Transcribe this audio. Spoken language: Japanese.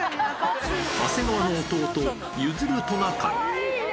長谷川の弟、譲トナカイ。